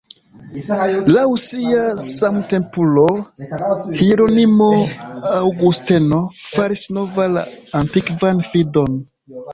Laŭ sia samtempulo, Hieronimo, Aŭgusteno "faris nova la antikvan fidon.